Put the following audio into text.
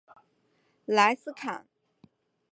莱斯坎。